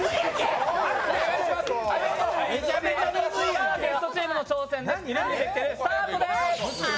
さあ、ゲストチームの挑戦です。